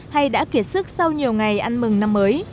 hay đã kiệt sức sau nhiều ngày ăn mừng năm mới